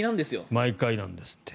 毎回なんですって。